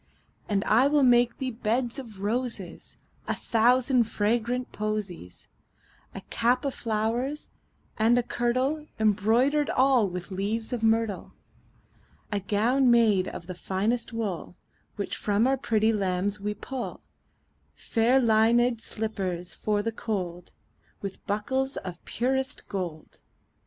And I will make thee beds of roses And a thousand fragrant posies; 10 A cap of flowers, and a kirtle Embroider'd all with leaves of myrtle. A gown made of the finest wool Which from our pretty lambs we pull; Fair linèd slippers for the cold, 15 With buckles of the purest gold.